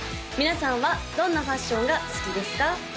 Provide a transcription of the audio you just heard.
皆さんはどんなファッションが好きですか？